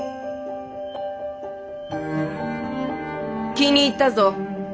気に入ったぞ！